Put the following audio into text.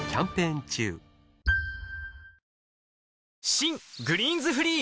新「グリーンズフリー」